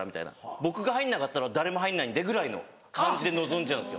「僕が入んなかったら誰も入んないんで」ぐらいの感じでのぞんじゃうんですよ。